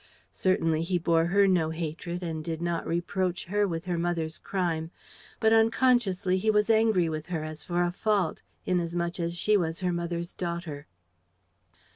Certainly, he bore her no hatred and did not reproach her with her mother's crime; but unconsciously he was angry with her, as for a fault, inasmuch as she was her mother's daughter.